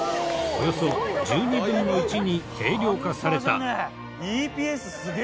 およそ１２分の１に軽量化された。